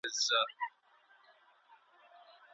فارمسي پوهنځۍ بې له ځنډه نه پیلیږي.